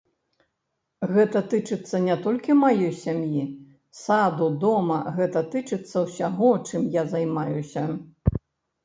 Гэта тычыцца не толькі маёй сям'і, саду, дома, гэта тычыцца ўсяго, чым я займаюся.